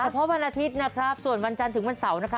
เพราะวันอาทิตย์ส่วนวันจันทร์ถึงวันเสาร์